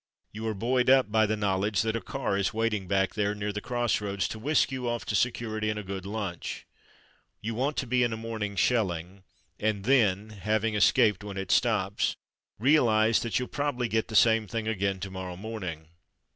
You are buoyed up by the knowledge that a car is waiting back there near the crossroads to whisk you off to security and a good lunch. You want to be in a morning's shelling and then, having escaped when it stops, realize that you'll probably get the same thing again to morrow morning.